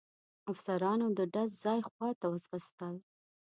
افسرانو د ډز ځای خواته وځغستل.